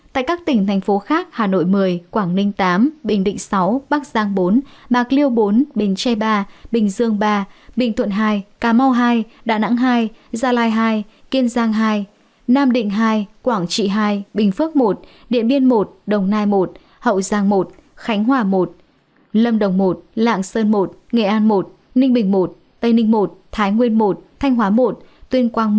tại các tỉnh thành phố khác hà nội một mươi quảng ninh tám bình định sáu bắc giang bốn mạc liêu bốn bình tre ba bình dương ba bình thuận hai cà mau hai đà nẵng hai gia lai hai kiên giang hai nam định hai quảng trị hai bình phước một điện biên một đồng nai một hậu giang một khánh hòa một lâm đồng một lạng sơn một nghệ an một ninh bình một tây ninh một thái nguyên một thanh hóa một tuyên quang một